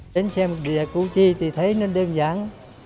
đến xem địa cụ chi thì thấy nó đơn giản